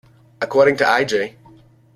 According to I. J.